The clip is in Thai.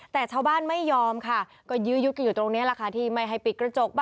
แต่ชาวบ้านไม่ยอมค่ะยืดอยู่ตรงนี้ที่ไมค์ให้ปิดกระจก